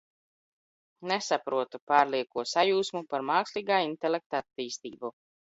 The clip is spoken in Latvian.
Nesaprotu, pārlieko sajūsmu par mākslīgā intelekta attīstību.